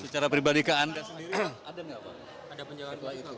secara pribadi ke anda sendiri ada nggak pak ada penjawaan setelah itu